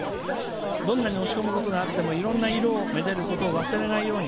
どんなに落ち込むことがあってもいろんな色をめでることを忘れないように。